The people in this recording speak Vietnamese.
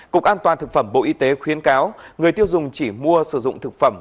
cục an toàn thực phẩm bộ y tế khuyến cáo người tiêu dùng chỉ mua sử dụng thực phẩm